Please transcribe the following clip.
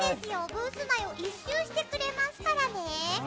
ブース内を１周してくれますからね。